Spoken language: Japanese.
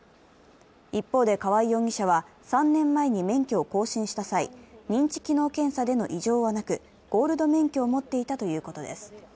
一方で、川合容疑者は３年前に免許を更新した際、認知機能検査での異常はなく、ゴールド免許を持っていたということです。